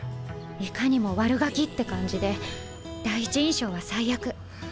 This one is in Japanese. いかにも「悪ガキ」って感じで第一印象は最悪。